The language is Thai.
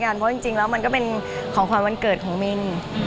เพราะจริงแล้วมันก็เป็นของขวัญวันเกิดของมิน